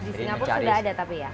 di singapura sudah ada tapi ya